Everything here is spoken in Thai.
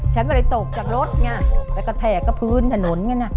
ฉันก็เลยตกจากรถเนี่ยแล้วก็แทกกระพื้นถนนเนี่ยนะ